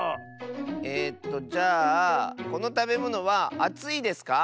えっとじゃあこのたべものはあついですか？